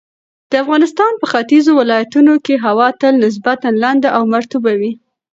د افغانستان په ختیځو ولایتونو کې هوا تل نسبتاً لنده او مرطوبه وي.